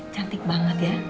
cantik banget ya